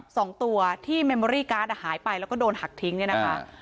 สองตัวที่เมมอรี่การ์ดอ่ะหายไปแล้วก็โดนหักทิ้งเนี่ยนะคะ